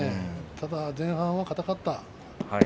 ただ前半は硬かった。